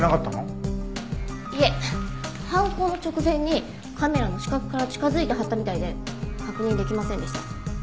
いえ犯行の直前にカメラの死角から近づいて貼ったみたいで確認できませんでした。